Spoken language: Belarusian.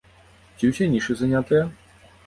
Ці ўсе нішы занятыя?